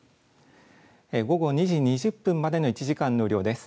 午後２時２０分までの１時間の雨量です。